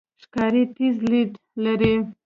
ښکاري تیز لید لري.